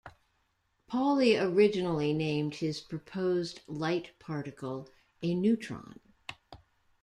Pauli originally named his proposed light particle a "neutron".